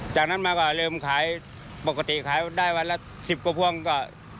จากนั้นมาก็เริ่มขายปกติขายได้วันละ๑๐กว่าพวงก็